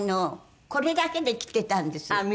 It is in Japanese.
これだけで着てたんですよ。